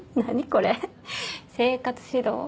これ生活指導？